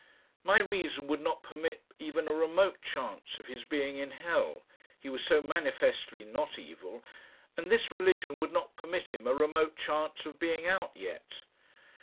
My reason would not permit even a remote chance of his being in hell, he was so manifestly not evil, and this religion would not permit him a remote chance of being out yet.